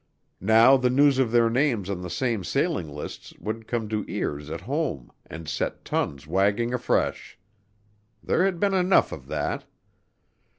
Now the news of their names on the same sailing lists would come to ears at home and set tongues wagging afresh. There had been enough of that.